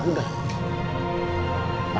al denger papa